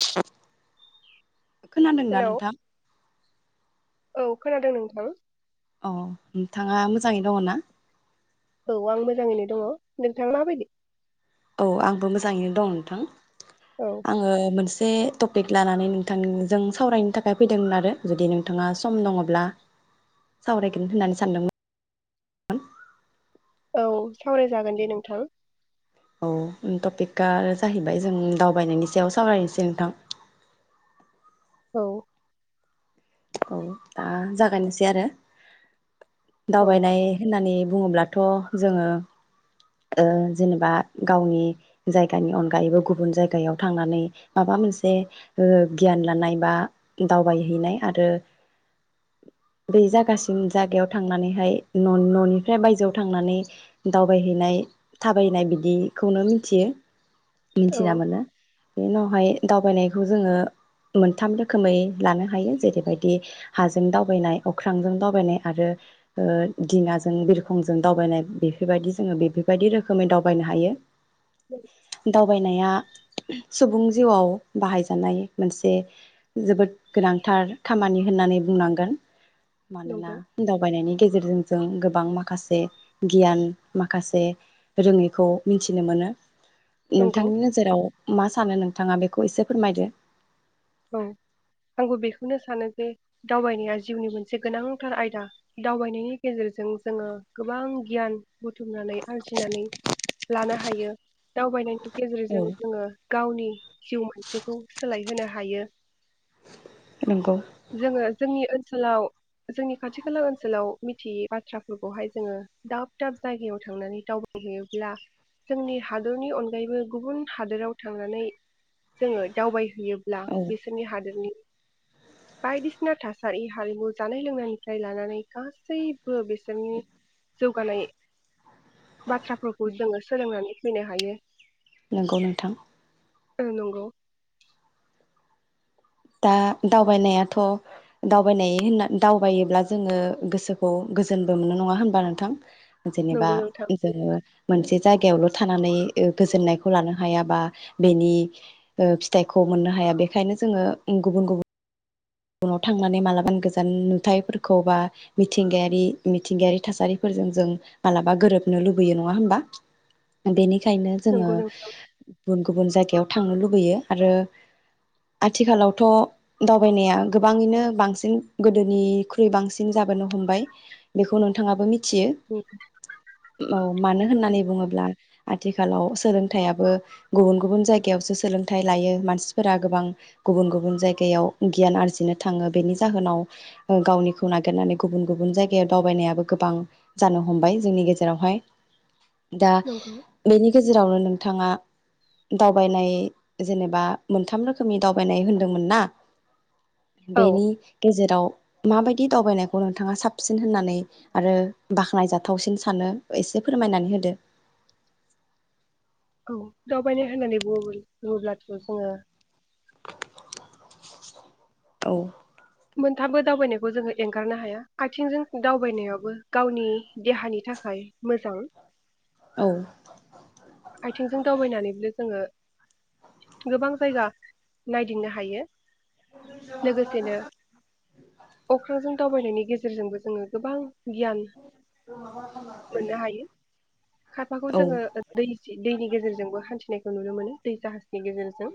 [unintelligible] खोनादोंना हेलौ नोंथां औ खोनादों नोंथां औ नोंथाङा मोजाङै दङ' ना औ आं मोजाङैनो दङ' नोंथाङा माबायदि औ आंबो मोजाङैनो दं नोंथां औ आङो मोनसे एसे टपिक लानानै नोंथांजों सावरायनो थाखाय फैदोंमोन आरो जुदि नोंथाङा सम दङब्ला सावरायगोन होननानै सानदोंमोन औ सावरायजागोन दे नोंथां औ टपिकआ आरो जाहैबाय जों दावबायनायनि सायाव सावरायनोसै नोंथां औ औ दा जागायनोसै आरो औ दावबायनाय होननानै बुङोब्लाथ' जोङो ओ जेनेबा गावनि जायगानि अनगायैबो गुबुन जायगायाव थांनानै माबा मोनसे ओ गियान लानाय बा दावबायहैनाय आरो बै जागासिम जागायाव थांनानैहाय न'-न'निफ्राय बायजोआव थांनानै दावबायहैनाय थाबायहैनाय बिदिखौनो मिथियो मिथिना औ मोनो बे उनावहाय दावबायनायखौ जोङो मोनथाम रोखोमै लानो हायो ज बेबायदि हाजों दावबायनाय अख्रांजों दावबायनाय आरो ओ दिङाजों बिरखंजों दावबायनाय बेफोरबायदि जोङो बेफोरबायदि रोखोमै दावबायनो हायो [inaudible] दावबायनाया सुबुं जिउआव बाहायजानाय मोनसे जोबोद गोनांथार खामानि होननानै बुंनांगोन मानोना नंगौ दावबायनायनि गेजेरजों जों गोबां माखासे गियान माखासे रोङैखौ मिथिनो मोनो नंगौ नोंथांनि नोजोराव मा सानो नों नोंथाङा बेखौ एसे फोरमायदो औ आंबो बेखौनो सानो जे दावबायनाया जिउनि मोनसे गोनांथार आयदा दावबायनायनि गेजेरजों जोङो गोबां गियान बुथुमनानै आरजिनानै लानो हायो दावबायनायनि औ गेजेरजों जोङो गावनि जिउ मानसिखौ सोलायहोनो ह हायो नंगौ जोङो जोंनि ओ ओनसोलाव जोंनि खाथि खाला ओनसोलाव मिथियै बाथ्राफोरखौहाय जोङो दाब दाब जायगायाव थांनानै दावबायहैयोब्ला जोंनि हादरनि अनगायैबो गुबुन हादोराव थांनानै जोङो दावबायहैयो। ला औ बिसोरनि हादोरनि बायदिसिना थासारि हारिमु जानाय लोंनायनिफ्राय लानानै गासैबो बिसोरनि जौगानाय बाथ्राफोरखौ जोङो सोलोंनानै फैनो हायो। नंगौ नोंथां ओ नंगौ दा दावबायनायाथ' दावबायनाय होनना दावबायोब्ला जोङो गोसोखौ गोजोनबो मोनो नङा होनबा नोंथां? जेनेबा नंगौ नोंथां जोङो मोनसे जायगायावल' थानानै ओ गोजोननायखौ लानो हाया बा ओ बेनि फिथाइखौ मोननो हाया बेखायनो जोङो। गुबुन गुबुन उनाव थांनानै मालाबा गोजान नुथायफोरखौ बा मिथिंगायारि मिथिंगायारि थासारिफोरजों जों मालाबा गोरोबनो लुबैयो नङा होमबा बेनिख बेखायनो जोङो नंगौ नोंथां गुबुन गुबुन जायगायाव थांनो लुबैयो आरो आथिखालावथ' दावबायनाया गोबाङैनो बांसिन गोदोनिख्रुइ बांसिन जाबोनो हमबाय बेखौ नोंथाङाबो मिथ मिथियो नंगौ औ मानो होननानै बुङोब्ला आथिखालाव सोलोंथायाबो गुबुन ‌गुबुन जायगायावसो सोलोंथाइ लायो मानसिफोरा गोबां गुबुन गुबुन जायगायाव गियान आरजि नो थाङो बेनि जाहोनाव गावनिखौ नागिरनानै गुबुन गुबुन जायगायाव दावबायनायाबो गोबां जानो हमबाय जोंनि गेजेरावहाय। दा नंगौ बेनि गेजेरावनो नोंथाङा दावबायनाय जेनेबा मोनथाम रोखोमनि दावबायनाय होन्दोंमोन ना औ बेनि गेजेराव माबायदि दावबायनायखौ नोंथाङा साबसिन होननानै आरो बाख्नायजाथावसिन सानो एसे फोरमायनानै होदो। दावबायनो होननानै बुङो बुङोब्लाथ' जोङो औ मोनथामबो दावबायनायखौ जोङो एंगारनो हाया आथिंजों दावबायनायाबो गावनि देहानि थाखाय मोजां औ आथिंजों दावबायनानैबो जोङो गोबां जायगा नायदिंनो हायो। लोगोसेनो [unintelligible] अख्रांजों दावबायनायनि गेजेरजोंबो जोङो गोबां गियान मोननो हायो खायफाखौ औ जोङो ओ दैनि गेजेरजोंबो हान्थिनायखौ नुनो मोनो दै जाहाज नि गेजेरजों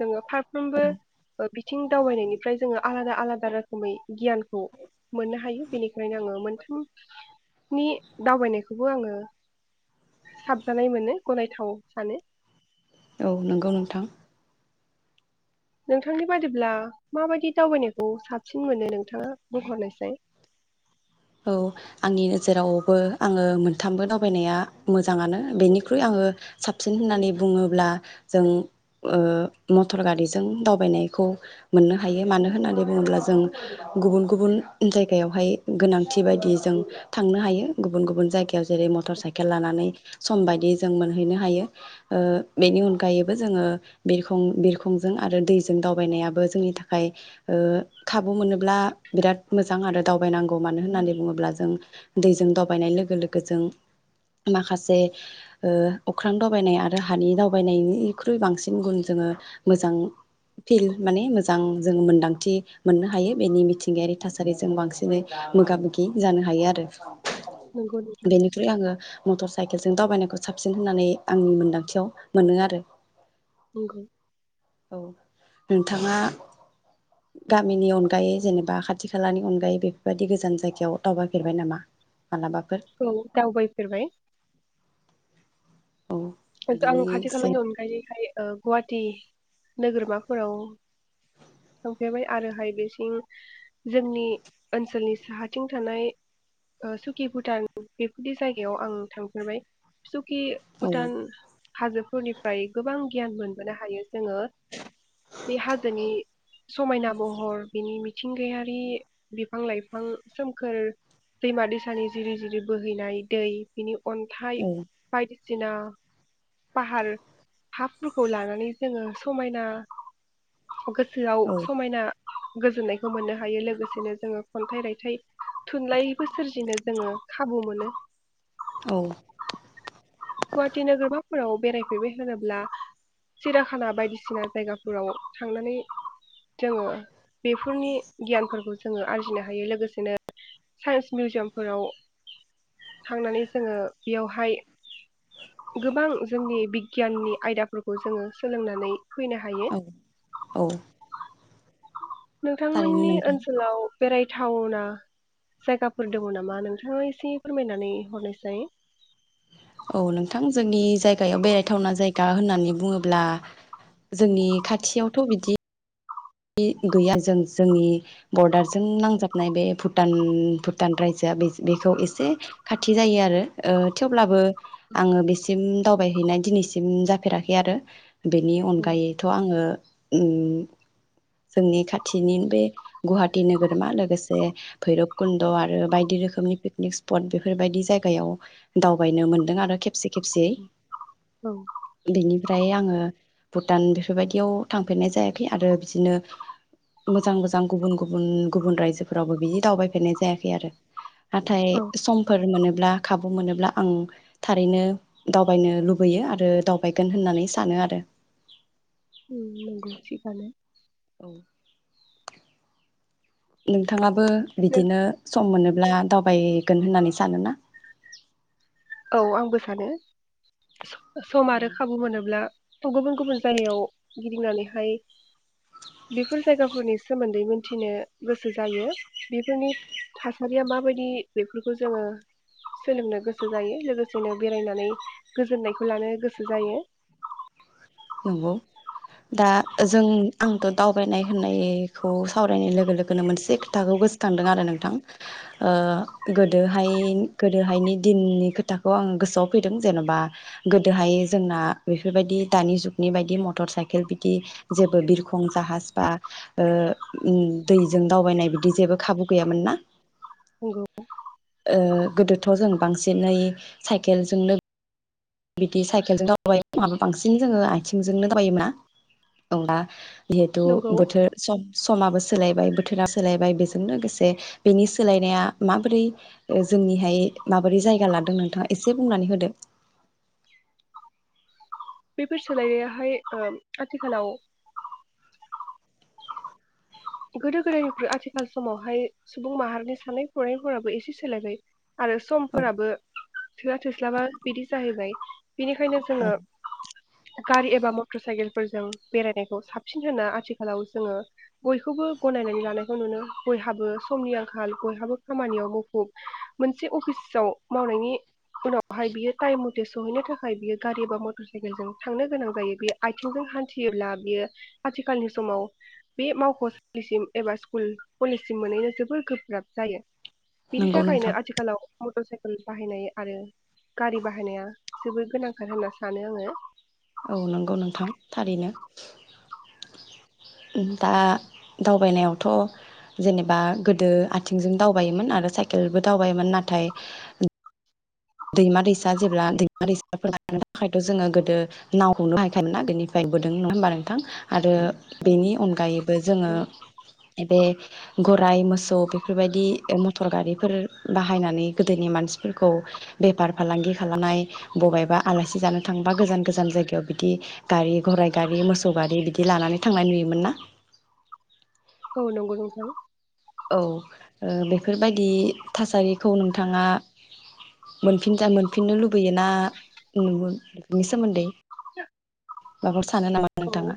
जोङो फारफ्रोमबो बिथ आथिं दावबायनायनिफ्राय जोङो आलादा आलादा रोखोमै गियानखौ मोननो हायो बेनिखायनो आङो मोनथामनि दावबायनायखौबो आङो साबजानाय मोनो गनायथाव सानो। औ नंगौ नोंथां नोंथांनि बादिब्ला माबायदि दावबायनायखौ साबसिन मोनो नोंथाङा बुंहरनाय साय औ आंनि नोजोरावबो आङो मोनथामबो दावबायनाया मोजाङानो बेनिख्रुइ आङो साबसिन होननानै बुङोब्ला जों ओ मटर गारिजों दावबायनायखौ मोननो हायो मानो होननानै बुङोब्ला जों गुबुन गुबुन जायगायावहाय गोनां थि बायदि जों थांनो हायो गुबुन गुबुन जायगायाव जेरै मटर साइकेल लानानै सम बायदियै जों मोनहैनो हायो बेनि अनगायैबो जोङो बिरखं बिरखंजों आरो दैजों दावबायनायाबो जोंनि थाखाय खाबु मोनोब्ला बिराद मोजां आरो दावबायनांगौ मान मानो होननानै बुङोब्ला जों दैजों दावबायनाय लोगो लोगो जों माखासे ओ अख्रां दावबायनाय आरो हानि दावबायनायनिख्रुइ बांसिन गुन जोङो मोजां फिल माने मोजां जों मोन्दांथि मोननो हायो बेनि मिथिंगायारि थासारिजों बांसिनै मोगा मोगि जानो हायो आरो। नंगौ नोंथां बेनिफ्राय आङो मटर साइकेलजों दावबायनायखौ साबसिन होननानै आंनि मोनदांथियाव मोनो आरो नंगौ औ नोंथाङा गामिनि अनगायै जेनेबा खाथि खालानि अनगायै बेफोर बे बायदि गोजान जायगायाव दावबायफेरबाय नामा मालाबाफोर औ दावबायफेरबाय औ बिदिनो आं खाथि एसे खालानि अनगायैखाय ओ गुवाहाटि नोगोरमाफोराव थांफेरबाय आरोहाय बेथिं जोंनि ओनसोलनि साहाथिं थानाय ओ सुकि भुटान बेफोरदि जायगायाव आं थांफेरबाय सु कि औ भुटान हाजोफोरनिफ्राय गोबां गियान मोनबोनो हायो जोङो बे हाजोनि समायना महर बिनि मिथिंगायारि बिफां-लाइफां सोमखोर दैमा-दैसानि जिरि जिरि बोहैनाय दै बिनि अनथाइ औ बायदि सिना पाहार हाफोरखौ लानानै जोङो समायना गो सोआव औ समायना गोजोननायखौ मोननो हायो लोगोसेनो जोङो खनथाइ रायथाइ थुनलाइबो सोरजिनो जोङो खाबु मोनो औ गुवाहाटि नोगोरमाफोराव बेरायफेरबाय होनोब्ला सिराखाना बायदिसिना जायगाफोराव थांनानै जोङो बेफोरनि गियानफोरखौ जोङो आरजिनो हायो लोगोसेनो साइन्स मिउजियामफोराव थांनानै जोङो बेयावहाय गोबां जोंनि बिगियाननि आयदाफोरखौ जोङो सोलोंनानै फैनो हायो औ औ थारैनो नोंथांमोननि नोंथां ओनसोलाव बेरायथावना जायगाफोर दङ नामा नोंथाङा एसे फोरमायनानै हरनायसाय औ नोंथां जोंनि जायगायाव बेरायथावना जायगा होननानै बुङोब्ला जोंनि खाथियावथ' बिदि गैया जों जोंनि बरदारजों नांजाबनाय बे भुटान भुटान रायजोआ बे बेखौ एसे खाथि जायो आरो ओ थेवब्लाबो आङो बेसिम दावबायहैनाय दिनैसिम जाफेराखै आरो बेनि औ अनगायैथ' आङो उम जोंनि खाथिनि बे गुवाहाटि नोगोरमा लोगोसे भैरब कुन्द' आरो बायदि रोखोमनि पिकनिक स्पट बेफोरबायदि जायगायाव दावबायनो मोनदों आरो खेबसे खेबसे औ बेनिफ्राय आङो भुटान बेफोरबायदियाव थांफेरनाय जायाखै आरो बिदिनो मोजां मोजां गुबुन गुबुन गुबुन रायजोफोरावबो बिदि दावबायफेरनाय जायाखै आरो नाथाय औ समफोर मोनो ब्ला खाबु मोनोब्ला आं थारैनो दावबायनो लुबैयो आरो दावबायगोन होननानै सानो आरो उ नंगौ थिखानो औ नोंथाङा बो बिदिनो सम मोनोब्ला दावबायगोन होननानै सानोना? औ आंबो सानो। सम आरो खाबु मोनोब्ला थज्ञगुबुन गुबुन जायगायाव गिदिंनानैहाय बेफोर जायगाफोरनि सोमोन्दै मोनथिनो गोसो जायो बेफोरनि थासारिया माबायदि बेफोरखौ जोङो सोलोंनो गोसो जायो लोगोसेनो बेरायनानै गोजोननायखौ लानो गोसो जायो। नंगौ दा जों आंथ दावबायनाय होननायखौ सावरायनाय लोगो लोगोनो मोनसे खोथाखौ गोसोखांदों आरो नोंथां गोदोहाय गोदोहायनि दिननि खोथाखौ आं गोसोआव फैदों जेन'बा गोदोहाय जोंना बेफोरबायदि दानि जुग नि बायदि मटर साइकेल बिदि जेबो बिरखं जाहाज बा दैजों दावबायनाय बिदि जेबो खाबु गैयामोन ना? नंगौ। ओ गोदोथ जों बांसिनै साइकेलजोंनो बिदि साइकेलजों दावाबायो माबा बांसिन जोङो आथिंजोंनो दावाबायोमोन ना। जिहेतु नंगौ बोथोर सम समाबो सोलायबाय बोथोरा सोलायबाय बेजों लोगोसे बेनि सोलायनाया माबोरै जोंनिहाय माबोरै जायगा लादों नोंथाङा एसे बुंनानै होदो। बेफोर सोलायनायाहाय ओ आथिखालाव गोदो गोदायनिफ्राय आथिखाल समावहाय सुबुं माहारिनि साननाय हनायफोराबो एसे सोलायबाय। आरो औ समफोराबो थोआ। थोस्लाबा बिदि जाहैबाय। बिनिखायनो जोङो गारि एबा मटर साइकेल फोरजों बेरायनायखौ साबसिन होनना आथिखालाव जोङो बयखौबो गनायनानै लानायखौ नुनो बयहाबो समनि आंखाल बयहाबो खामानियाव मुखुब मोनसे अफिसाव मावनायनि उनावहाय बियो टाइम मथे सहैनो थाखाय बियो गारि एबा मटर साइकेलजों थांनो गोनां जायो बियो आथिंजों हान्थियोब्ला बियो आथिखालनि समाव बे मावख'सालिसिम एबा स्कुल कलेजसिम मोनैनो जोबोर गोब्राब जायो। बिनि नंगौ थाखायनो नोंथां आथिखालाव मटर साइकेल बाहायनाय आरो गारि बाहायनाया जोबोर गोनांथार होनना सानो आङो। औ नंगौ नोंथां थारैनो दा दावबायनायावथ जेनेबा गोदो आथिंजों दावबायोमोन आरो साइकेलबो दावबायोमोन नाथाय दैमा दैसा जेब्ला दैमा दैसाफोर लानो थाखायथ' जोङो गोदो नावखौनो बाहायखायोमोन‌ गोनिफ्राय बोदों नङा होमबा नोंथां। आरो बेनि अनगायैबो जोङो बे गराय मोसौ बेफोरबायदि मटर गारिफोर बाहायनानै गोदोनि मानसिफोरखौ बेफार फालांगि खालामनाय बबाइबा आलासि जानो थांबा गोजान गोजान जायगायाव बिदि गारि घराइ गारि मोसौ गारि बिदि लानानै थांनाय नुयोमोन ना? औ नंगौ नोंथां। औ बेफोरबायदि थासारिखौ नोंथाङा मोनफिनजा मोनफिननो लुबैयो बैयोना नु बिनि सोमोन्दै [inaudible] [unintelligible] सानो नामा नोंथाङा? औ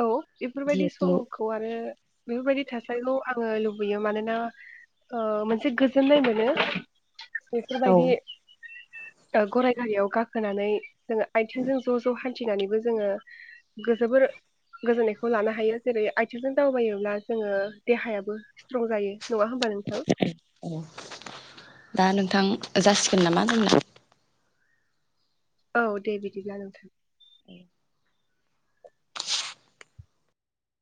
औ बेफोरबायदि जिहेथु समखौ आरो बेफोरबायदि थासारिखौ आङो लुबैयो मानोना मोनसे गोजोननाय मोनो। औ बेफोरबायदि ओ गराय गारियाव गाखोनानै जोङो आथिंजों ज' ज' हान्थिनानैबो जोङो जोबोर गोजोननायखौ लानो हायो जेरै आइथिंजों दावबायोब्ला जोङो देहायाबो स्ट्रं जायो नङा होमबा नोंथां दा नोंथां जासिगोन नामा दोननो औ दे बिदिब्ला नोंथां